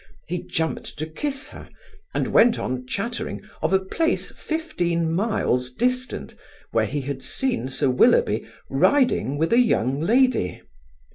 He jumped to kiss her, and went on chattering of a place fifteen miles distant, where he had seen Sir Willoughby riding with a young lady.